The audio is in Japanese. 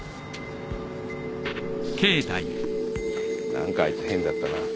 何かあいつ変だったな。